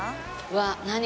うわっ何？